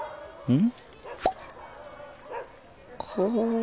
うん。